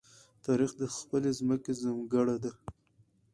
تاریخ د خپلې ځمکې زمکړه ده.